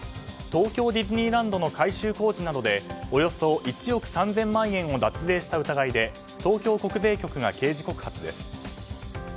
東京ディズニーランドの改修工事などでおよそ１億３０００万円を脱税した疑いで東京国税局が刑事告発です。